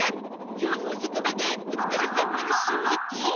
今日も遅くまでお疲れサンマの塩焼き！